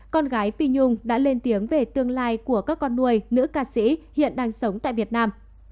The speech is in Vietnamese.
con gái piung đã lên tiếng về tương lai của các con nuôi nữ ca sĩ hiện đang sống tại việt nam